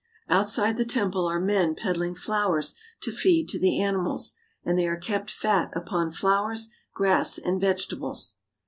Outside the temple are men peddling flowers to feed to the animals, and they are kept fat upon flowers, grass, and vegetables.